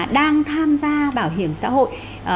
đang tham gia bảo hiểm xã hội